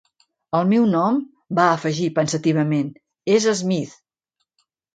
El meu nom", va afegir pensativament, "és Smith.